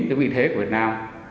cái vị thế của việt nam